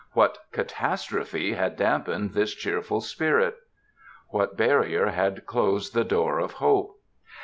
What catastrophe had damp ened this cheerful spirit ? What barrier had closed the door of hope?